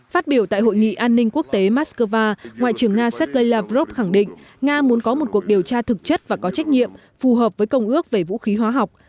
phát biểu tại hội nghị an ninh quốc tế moscow ngoại trưởng nga sergei lavrov khẳng định nga muốn có một cuộc điều tra thực chất và có trách nhiệm phù hợp với công ước về vũ khí hóa học